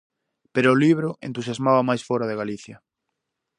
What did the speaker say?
Pero o libro entusiasmaba máis fóra de Galicia.